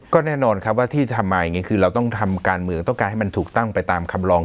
ก็แน่นอนครับว่าที่ทำมาอย่างนี้คือเราต้องทำการเมืองต้องการให้มันถูกต้องไปตามคำลอง